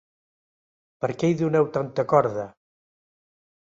Per què hi doneu tanta corda?